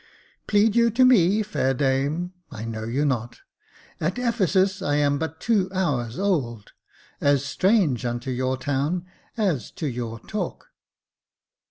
" Plead you to me, fair dame ? I know you not ; At Ephesus I am but two hours old, As strange unto your town as to your talk."